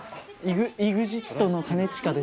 ＥＸＩＴの兼近です。